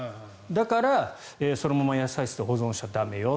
だから、そのまま野菜室で保存しちゃ駄目よ。